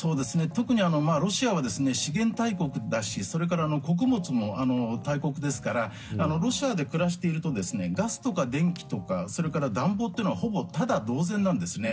特にロシアは資源大国だしそれから穀物も大国ですからロシアで暮らしているとガスとか電気とか暖房とかはほぼタダ同然なんですね。